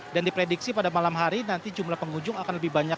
dan diprediksi pada malam hari nanti jumlah pengunjung akan lebih banyak